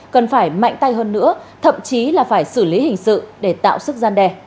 cần phải mạnh tay hơn nữa thậm chí là phải xử lý hình sự để tạo sức gian đe